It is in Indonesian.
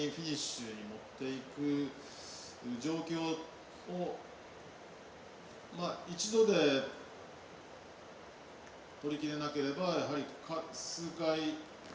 ketika kita tidak bisa mencapai penyelesaian